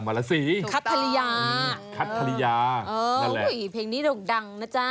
มาแล้วสิคัดภรรยาคัดภรรยาเอออุ้ยเพลงนี้ดังนะจ๊ะ